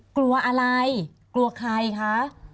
กลัวอะไรกลัวใครคะ